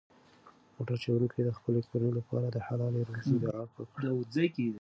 موټر چلونکي د خپلې کورنۍ لپاره د حلالې روزۍ دعا وکړه.